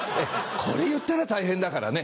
これ言ったら大変だからね。